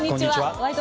「ワイド！